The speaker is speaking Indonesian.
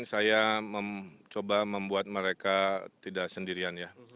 saya mencoba membuat mereka tidak sendirian ya